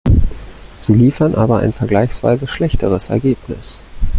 Sie liefern aber ein vergleichsweise schlechteres Ergebnis.